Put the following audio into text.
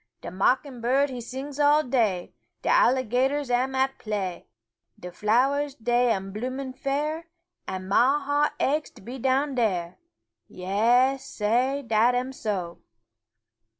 "De mocking bird he sings all day, De alligators am at play, De flowers dey am bloomin' fair, And mah heart aches to be down there Yas, Sah, dat am so!"